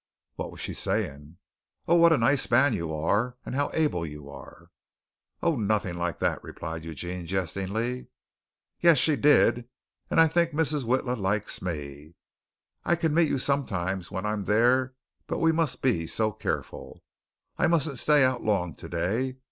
"What was she saying?" "Oh, what a nice man you are, and how able you are." "Oh, nothing like that," replied Eugene jestingly. "Yes, she did. And I think Mrs. Witla likes me. I can meet you sometimes when I'm there, but we must be so careful. I mustn't stay out long today.